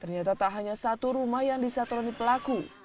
ternyata tak hanya satu rumah yang disatroni pelaku